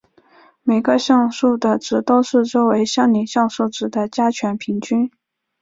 每个像素的值都是周围相邻像素值的加权平均。